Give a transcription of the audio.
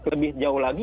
lebih jauh lagi